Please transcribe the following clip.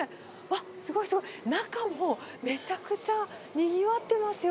すごい、すごい、中もめちゃくちゃにぎわってますよ。